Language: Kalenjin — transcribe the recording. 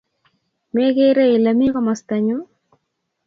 Mekere Ile mi komostanyu